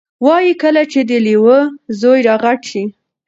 وایي کله چې د لیوه زوی را غټ شي،